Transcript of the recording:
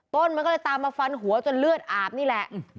ต้นมันก็เลยตามมาฟันหัวจนเลือดอาบนี่แหละ